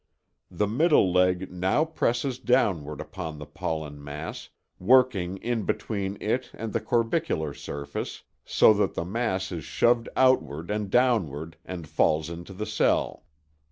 The middle leg now presses downward upon the pollen mass, working in between it and the corbicular surface, so that the mass is shoved outward and downward and falls into the cell.